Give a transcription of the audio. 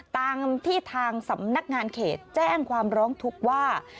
ตามที่ทางสำนักงานเขตแจ้งความร้องทุกข์ว่า